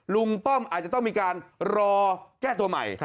ป้อมอาจจะต้องมีการรอแก้ตัวใหม่